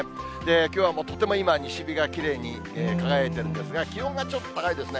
きょうは、とても今、西日がきれいに輝いているんですが、気温がちょっと高いですね。